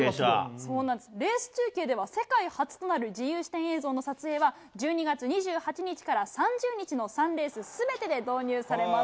そうなんです、レース中継では世界初となる自由視点映像の撮影は、１２月２８日から３０日の３レースすべてで導入されます。